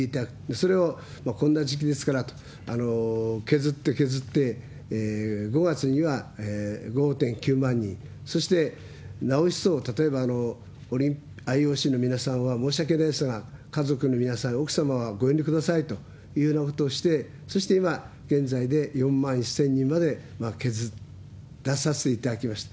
それをこんな時期ですからと、削って削って、５月には５．９万人、そしてなお一層、例えばＩＯＣの皆さんは申し訳ないですが、家族の皆さん、奥様はご遠慮くださいというふうなことをして、そして今現在で、４万１０００人まで削らさせていただきました。